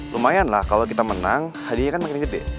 lumayan lah kalau kita menang hadiahnya kan makin gede